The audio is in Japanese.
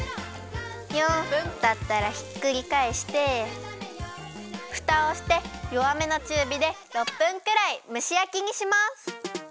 ４分たったらひっくりかえしてふたをしてよわめのちゅうびで６分くらいむしやきにします。